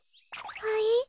はい？